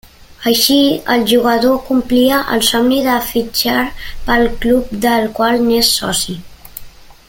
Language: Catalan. Així, el jugador complia el somni de fitxar pel club del qual n'és soci.